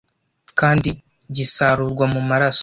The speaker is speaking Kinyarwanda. kandi gisarurwa mu maraso.